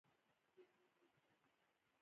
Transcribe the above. پسه له ماشومتوبه ساتل کېږي.